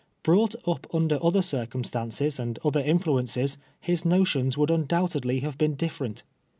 Brought lip under other cii'cumstances and other iniluences, his notions would undoubtedly have been diflerent.